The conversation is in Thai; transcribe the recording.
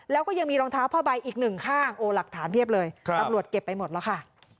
แล้วก็ยังมีรองเท้าผ้าใบอีกหนึ่งข้างโอ้หลักฐานเพียบเลยตำรวจเก็บไปหมดแล้วค่ะ